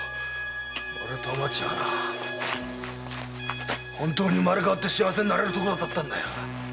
俺とおまちは本当に生まれ変わり幸せになれるところだったんだ。